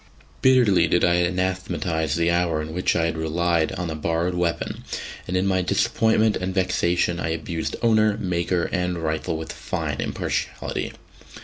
Bitterly did I anathematise the hour in which I had relied on a borrowed weapon, and in my disappointment and vexation I abused owner, maker, and rifle with fine impartiality.